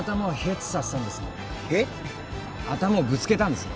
頭をぶつけたんですね。